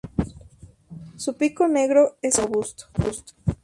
Su pico negro es corto y robusto.